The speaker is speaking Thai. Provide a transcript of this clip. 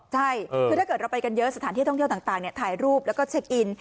ใช่คือถ้าเกิดเราไปกันเยอะสถานที่ท่องเที่ยวต่างถ่ายรูปแล้วก็เช็คอิน